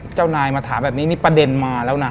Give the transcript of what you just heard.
เจ้านายมาถามแบบนี้นี่ประเด็นมาแล้วนะ